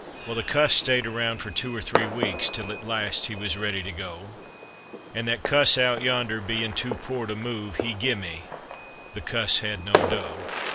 Well, the cuss stayed around for two or three weeks, till at last he was ready to go; And that cuss out yonder bein' too poor to move, he gimme, the cuss had no dough.